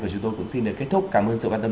chúng tôi cũng xin được kết thúc cảm ơn sự quan tâm